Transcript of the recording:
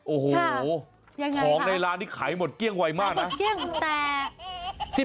โอ้โหของได้ร้านที่หายหมดเกรี่ยงไวท์มากนะ๑๐บาทค่ะ